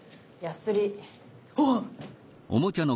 あっ！